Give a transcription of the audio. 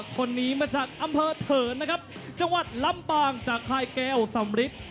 คนนี้มาจากอำเภอเถินนะครับจังหวัดลำปางจากคายแก้วสำริท